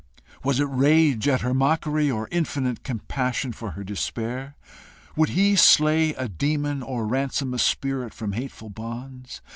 Was it rage at her mockery, or infinite compassion for her despair? Would he slay a demon, or ransom a spirit from hateful bonds?